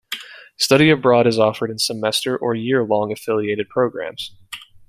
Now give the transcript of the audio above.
Study abroad is offered in semester- or year-long affiliated programs.